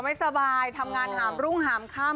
ไม่สบายทำงานหามรุ่งหามค่ำ